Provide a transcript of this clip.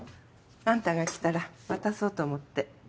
アンタが来たら渡そうと思って。